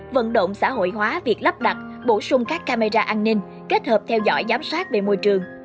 vận động xã hội hóa việc lắp đặt bổ sung các camera an ninh kết hợp theo dõi giám sát về môi trường